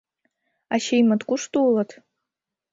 Ачиймыт кушто улыт?..